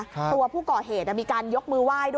ตัวผู้ก่อเหตุมีการยกมือไหว้ด้วย